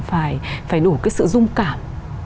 phải đủ cái sự dung cảm